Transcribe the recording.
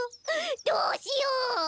どうしよう？